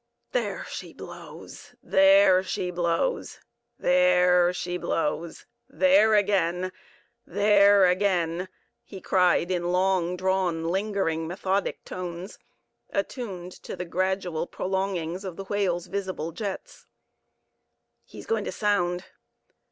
There she blows! there she blows!—there she blows! There again!—there again!" he cried, in long drawn, lingering, methodic tones, attuned to the gradual prolongings of the whale's visible jets. "He's going to sound!